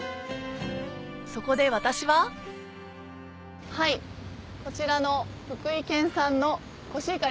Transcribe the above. そこで私はこちらの福井県産のコシヒカリ。